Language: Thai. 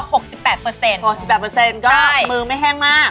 ๖๘ก็มือไม่แห้งมาก